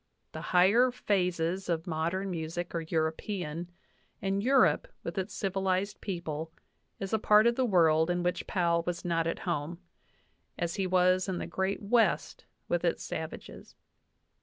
The higher phases of modern music are European, and Eu rope, with its civilized peoples, is a part of the world in which Powell was not at home, as he was in the Great West with its savages.